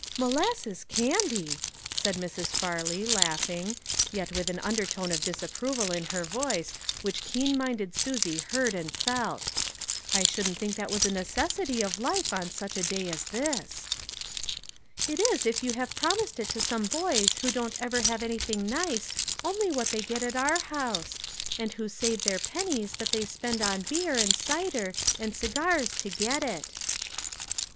"Molasses candy!" said Mrs. Farley, laugh ing,' yet with an undertone of disapproval in her voice which keen minded Susie heard and felt, " I shouldn't think that was a necessity of life on such a day as this." 394 LITTLE FISHERS : AND THEIR KETS. " It is if you have promised it to some boys who don't ever have anything nice only what they get at our house ; and who save their pen nies that they spend on beer, and cider, and cigars to get it."